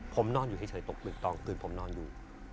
ผมนอนอยู่แค่เฉยตกหนึ่งตอนกลิ่นผมนอนอยู่